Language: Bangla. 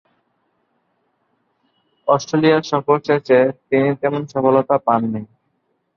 অস্ট্রেলিয়া সফর শেষে তিনি তেমন সফলতা পাননি।